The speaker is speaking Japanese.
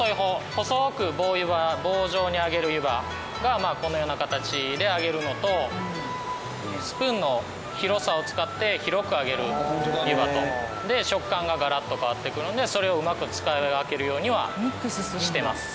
細く棒湯葉棒状にあげる湯葉がこんなような形であげるのとスプーンの広さを使って広くあげる湯葉とで食感がガラッと変わってくるのでそれをうまく使い分けるようにはしてます。